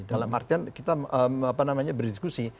dalam artian kita apa namanya berdiskusi